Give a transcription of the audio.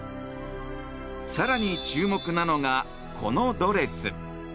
更に注目なのが、このドレス。